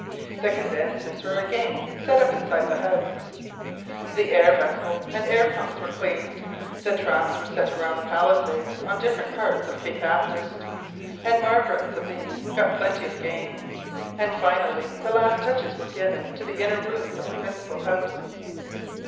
The condensers were again set up inside the house, the air vessel and air pumps were cleaned, the traps were set round the palisades on different parts of Cape Bathurst, and Marbre and Sabine got plenty of game, and finally the last touches were given to the inner rooms of the principal house.